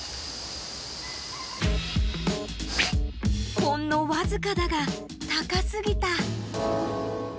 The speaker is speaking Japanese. ［ほんのわずかだが高過ぎた］